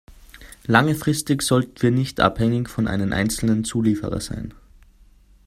Langfristig sollten wir nicht abhängig von einem einzelnen Zulieferer sein.